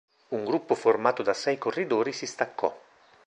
Un gruppo formato da sei corridori si staccò.